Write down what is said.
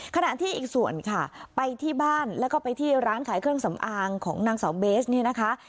ขณะที่อีกส่วนค่ะไปที่บ้านแล้วก็ไปที่ร้านขายเครื่องสำอางของนางสาวเบสเนี่ยนะคะ